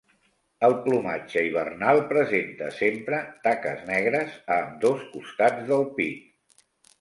El plomatge hivernal presenta sempre taques negres a ambdós costats del pit.